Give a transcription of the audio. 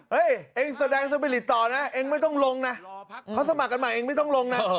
เองแสดงสมิริตต่อนะเองไม่ต้องลงนะเขาสมัครกันใหม่เองไม่ต้องลงนะ